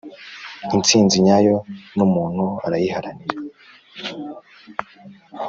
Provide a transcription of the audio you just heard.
intsinzi nyayo numuntu arayiharanira